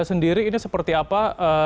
sendiri ini seperti apa